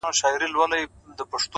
ما ستا لپاره په خزان کي هم کرل گلونه؛